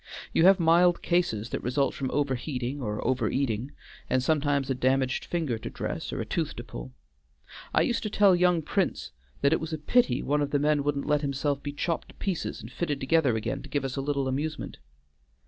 You have mild cases that result from over heating or over eating, and sometimes a damaged finger to dress, or a tooth to pull. I used to tell young Prince that it was a pity one of the men wouldn't let himself be chopped to pieces and fitted together again to give us a little amusement."